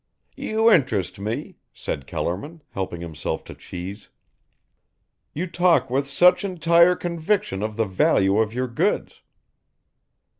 "You interest me," said Kellerman, helping himself to cheese. "You talk with such entire conviction of the value of your goods."